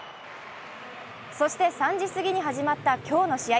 そして、３時すぎに始まった今日の試合。